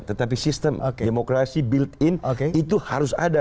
tetapi sistem demokrasi build in itu harus ada